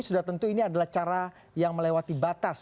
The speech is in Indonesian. sudah tentu ini adalah cara yang melewati batas